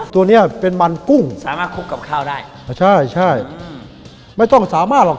ตัวเนี้ยเป็นมันกุ้งสามารถคลุกกับข้าวได้อ่าใช่ใช่อืมไม่ต้องสามารถหรอก